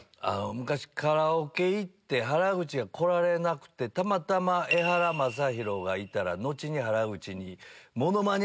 昔カラオケ行って原口が来られなくてたまたまエハラマサヒロがいたら後に原口に。